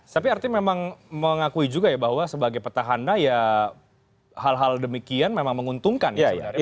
tapi artinya memang mengakui juga ya bahwa sebagai petahana ya hal hal demikian memang menguntungkan ya sebenarnya